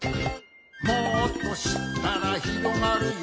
「もっとしったらひろがるよ」